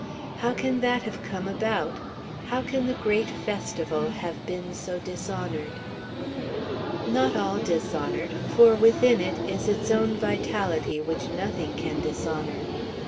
how can that have come about, how can the great festival have been so dishonoured? Not all dishonoured, for within it is its own vitality which nothing can dishonour.